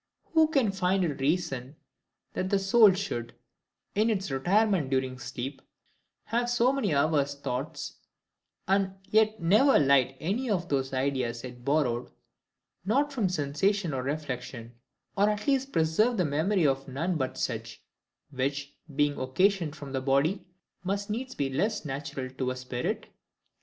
Who can find it reason that the soul should, in its retirement during sleep, have so many hours' thoughts, and yet never light on any of those ideas it borrowed not from sensation or reflection; or at least preserve the memory of none but such, which, being occasioned from the body, must needs be less natural to a spirit?